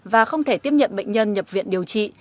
và không thể tiếp nhận bệnh nhân nhập viện điều trị